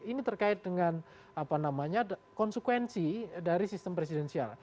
ini terkait dengan konsekuensi dari sistem presidensial